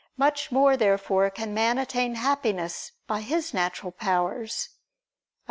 Much more therefore can man attain Happiness by his natural powers. Obj.